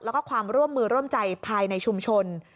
แล้วก็ความร่วมมือร่วมใจภายในชุมชน